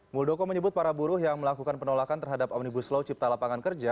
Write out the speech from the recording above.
muldoko menyebut para buruh yang melakukan penolakan terhadap omnibus law cipta lapangan kerja